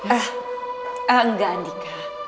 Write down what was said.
eh enggak andika